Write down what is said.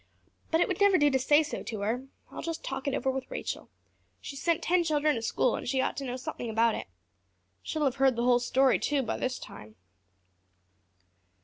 But it would never do to say so to her. I'll just talk it over with Rachel. She's sent ten children to school and she ought to know something about it. She'll have heard the whole story, too, by this time."